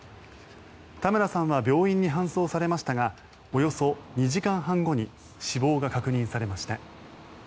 田村さんは病院に搬送されましたがおよそ２時間半後に死亡が確認されました。